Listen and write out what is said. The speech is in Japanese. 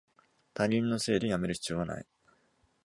他人のせいでやめる必要はない